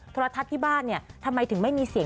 โทรทัศน์ที่บ้านเนี่ยทำไมถึงไม่มีเสียง